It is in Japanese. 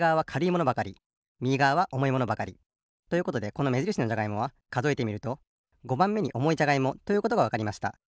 ものばかりみぎがわはおもいものばかり。ということでこのめじるしのじゃがいもはかぞえてみると５ばんめにおもいじゃがいもということがわかりました。